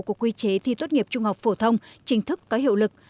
của quy chế thi tốt nghiệp trung học phổ thông chính thức có hiệu lực